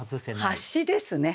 「端」ですね